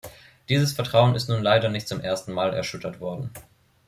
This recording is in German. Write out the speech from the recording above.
Dieses Vertrauen ist nun leider nicht zum ersten Mal erschüttert worden.